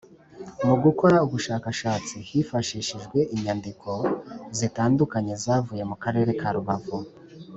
Mu gukora ubushakashatsi hifashishijwe inyandiko zitandukanye zavuye mu karere ka rubavu